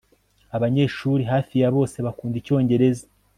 Abanyeshuri hafi ya bose bakunda icyongereza